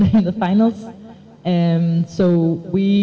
jadi kami berharap kembali